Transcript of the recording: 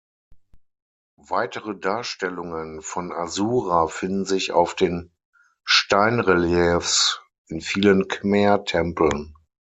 Weitere Darstellungen von Asura finden sich auf den Steinreliefs in vielen Khmer-Tempeln.